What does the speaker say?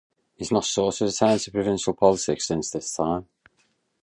He has not sought a return to provincial politics since this time.